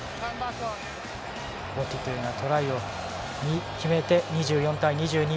ボティトゥがトライを決めて２４対２２。